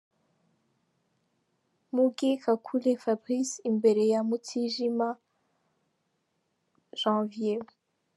Mugheni Kakule Fabrice imbere ya Mutijima Janvier.